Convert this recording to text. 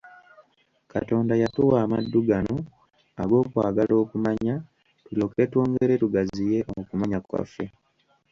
Katonda yatuwa amaddu gano ag'okwagala okumanya, tulyoke twongere, tugaziye okumanya kwaffe.